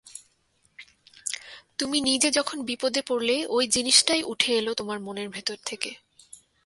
তুমি নিজে যখন বিপদে পড়লে, ঐ জিনিসটাই উঠে এল তোমার মনের ভেতর থেকে।